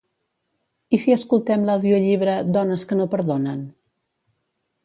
I si escoltem l'audiollibre "Dones que no perdonen"?